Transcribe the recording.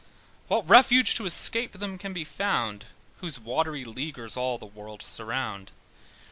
What refuge to escape them can be found, Whose watery leaguers all the world surround?